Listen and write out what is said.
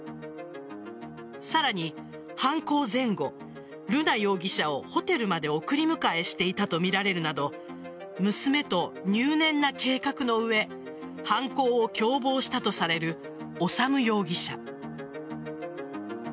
さらに犯行前後瑠奈容疑者を、ホテルまで送り迎えしていたとみられるなど娘と入念な計画の上犯行を共謀したとされる修容疑者。